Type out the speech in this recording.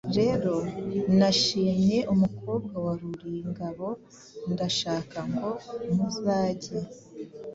rero, nashimye umukobwa wa Ruringabo ndashaka ngo muzage